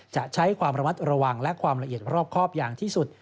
จะใช้ความระมัดระวังและความละเอียดรอบครอบอย่างที่สุด